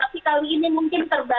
tapi kali ini mungkin terbaru